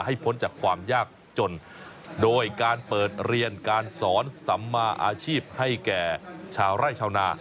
พ้นจากความยากจนโดยการเปิดเรียนการสอนสัมมาอาชีพให้แก่ชาวไร่ชาวนา